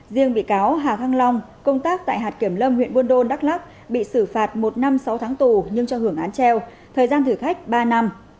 riêng bị cáo hà thăng long công tác tại hạt kiểm lâm huyện buôn đôn đắk lắc bị xử phạt một năm sáu tháng tù nhưng cho hưởng án treo thời gian thử thách ba năm